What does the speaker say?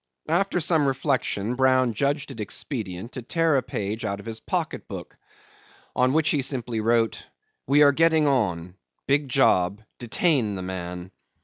After some reflection Brown judged it expedient to tear a page out of his pocket book, on which he simply wrote, "We are getting on. Big job. Detain the man."